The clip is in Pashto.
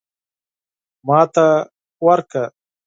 ماته ورکړه.